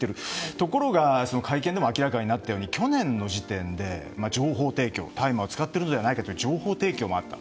ところが、会見でも明らかになったように去年の時点で大麻を使っているのではという情報提供があった。